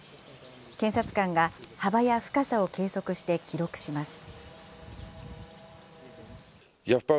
検察官が幅や深さを計測して記録します。